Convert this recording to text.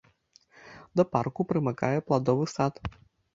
Да парку прымыкае пладовы сад.